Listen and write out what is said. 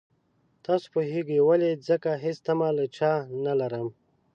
تاسو پوهېږئ ولې ځکه هېڅ تمه له چا نه لرم.